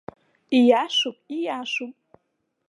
Ииашоуп, ииашоуп!